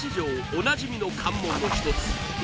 おなじみの関門の一つ